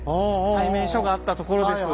対面所があったところです。